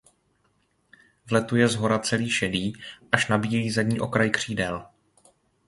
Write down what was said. V letu je shora celý šedý až na bílý zadní okraj křídel.